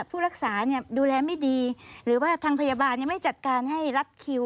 ผู้รักษาดูแลไม่ดีหรือว่าทางพยาบาลไม่จัดการให้รัดคิว